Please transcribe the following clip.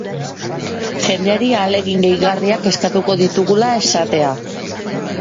Jendeari ahalegin gehigarriak eskatuko ditugula esatea.